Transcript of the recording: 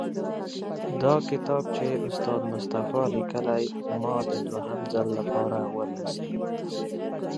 دا کتاب چې استاد مصطفی صفا لیکلی، ما د دوهم ځل لپاره ولوست.